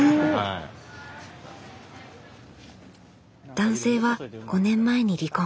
男性は５年前に離婚。